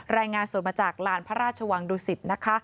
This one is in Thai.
รายงานสดมาจากลานพระราชวังดุสิตนะคะ